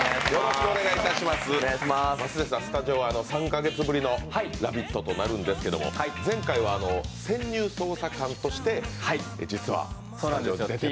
スタジオは３か月ぶりの「ラヴィット！」となるんですけど、前回は潜入捜査官として実はスタジオに来ていただいて。